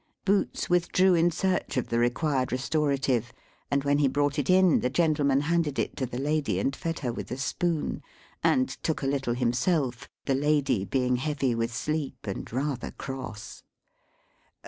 Boots withdrew in search of the required restorative, and when he brought it in, the gentleman handed it to the lady, and fed her with a spoon, and took a little himself; the lady being heavy with sleep, and rather cross.